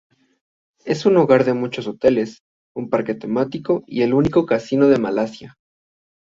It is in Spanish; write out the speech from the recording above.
Es hogar de muchos hoteles, un parque temático y el único casino de Malasia.